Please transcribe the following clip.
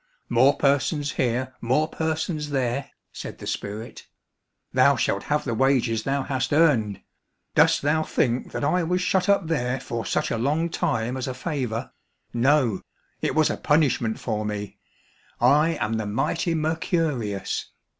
"More persons here, more persons there," said the spirit. "Thou shalt have the wages thou hast earned. Dost thou think that I was shut up there for such a long time as a favour. No, it was a punishment for me. I am the mighty Mercurius.